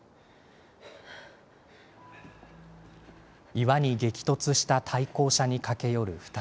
岩に激突した対向車に駆け寄る２人。